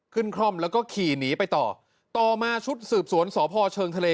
คล่อมแล้วก็ขี่หนีไปต่อต่อมาชุดสืบสวนสพเชิงทะเล